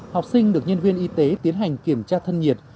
học sinh được nhân viên y tế tiến hành kiểm tra thân nhiệt